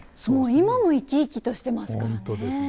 今も生き生きとしてますからね。